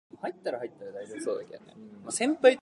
However none of them has a surplus.